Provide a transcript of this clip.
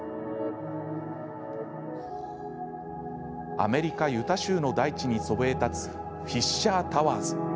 アメリカ・ユタ州の大地にそびえ立つフィッシャー・タワーズ。